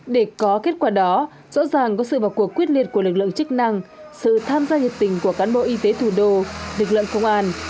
để có kết quả đó rõ ràng có sự vào cuộc quyết liệt của lực lượng chức năng sự tham gia nhiệt tình của cán bộ y tế thủ đô lực lượng công an